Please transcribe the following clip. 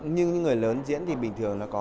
nhưng những người lớn diễn thì bình thường có toát lên